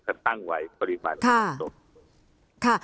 จะตั้งไว้ปริมาณเหมือนกัน